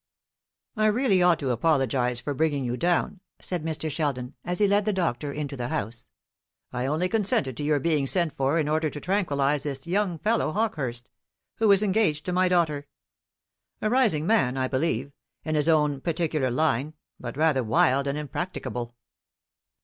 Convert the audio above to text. "I really ought to apologize for bringing you down," said Mr. Sheldon, as he led the doctor into the house. "I only consented to your being sent for in order to tranquillize this young fellow Hawkehurst, who is engaged to my daughter; a rising man, I believe, in his own particular line, but rather wild and impracticable.